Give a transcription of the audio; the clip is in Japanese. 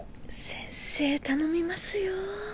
先生頼みますよ